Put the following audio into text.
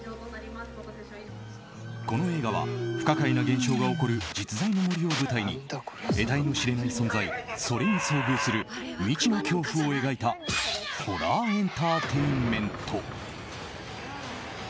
この映画は不可解な現象が起こる実在の森を舞台に得体のしれない存在“それ”に遭遇する未知の恐怖を描いたホラーエンターテインメント。